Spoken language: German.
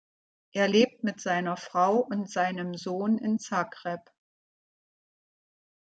Er lebt mit seiner Frau und seinem Sohn in Zagreb.